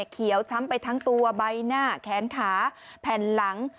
เขียวช้ำไปทั้งตัวใบหน้าแขนขาแผ่นหลัง